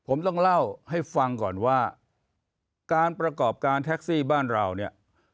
ผมต้องเล่าให้ฟังก่อนว่าการประกอบการแท็กซี่บ้านเราเนี่ย